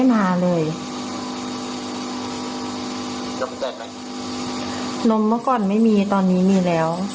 มันก่อนไม่มีตอนนี้มีแล้ว